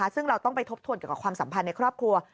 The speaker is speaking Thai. ซึ่งเราต้องไปทบทวนเกี่ยวกับความสัมพันธ์ในครอบครัว